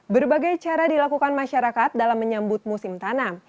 berbagai cara dilakukan masyarakat dalam menyambut musim tanam